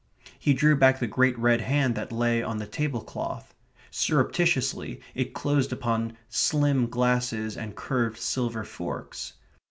He drew back the great red hand that lay on the table cloth. Surreptitiously it closed upon slim glasses and curved silver forks.